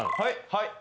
はい。